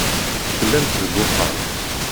Tellamt deg uxxam.